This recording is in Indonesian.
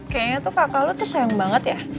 kayaknya tuh kakak lo tuh sayang banget ya